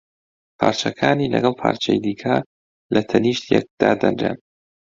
پارچەکانی لەگەڵ پارچەی دیکە لە تەنیشت یەک دادەنرێن